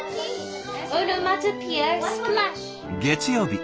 月曜日